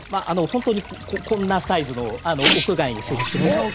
本当にこんなサイズの屋外に設置するぐらいの。